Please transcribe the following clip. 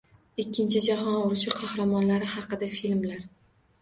Ikkinchi jahon urushi qahramonlari haqida filmlar